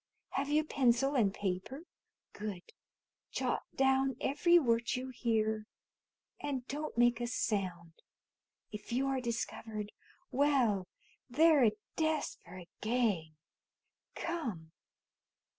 Have you pencil and paper? Good! Jot down every word you hear. And don't make a sound. If you are discovered well, they're a desperate gang. Come!"